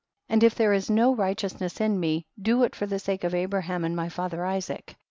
22. And if there is no righteous ness in me, do it for the sake of Abra ham and my father Isaac. 23.